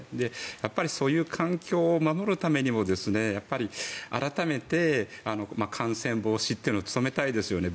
やっぱりそういう環境を守るためにも改めて感染防止というのを努めたいですね。